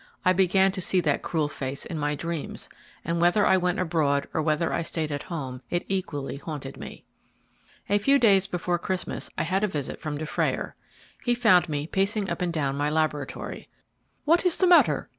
I began to see that cruel face in my dreams, and whether I went abroad or whether I stayed at home, it equally haunted me. A few days before Christmas I had a visit from Dufrayer. He found me pacing up and down my laboratory. "What is the matter?"